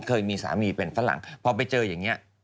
เคยมีสามีเป็นฝรั่งพอไปเจออย่างนี้